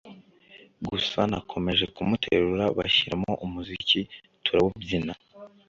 gusa nakomeje kumuterura bashyiramo umuziki tura wubyina